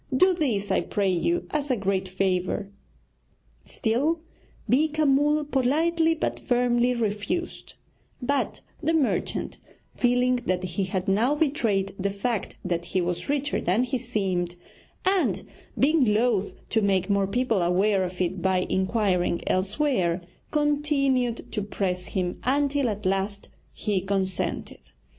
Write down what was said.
Do this, I pray you, as a great favour.' Still Beeka Mull politely but firmly refused; but the merchant, feeling that he had now betrayed the fact that he was richer than he seemed, and being loth to make more people aware of it by inquiring elsewhere, continued to press him, until at last he consented.